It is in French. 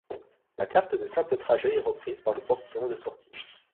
La carte de simple trajet est reprise par le portillon de sortie.